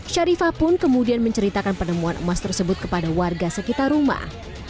syarifah pun kemudian menceritakan penemuan emas tersebut kepada warga sekitar rumah